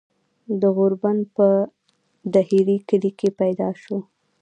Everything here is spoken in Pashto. د غوربند پۀ ډهيرۍ کلي کښې پيدا شو ۔